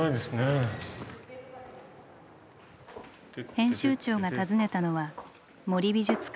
編集長が訪ねたのは森美術館。